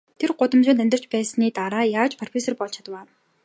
Та гудамжинд амьдарч байсныхаа дараа яаж профессор болж чадав аа?